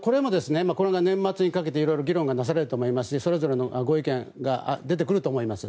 これが年末にかけて議論がなされると思いますしそれぞれのご意見が出てくると思います。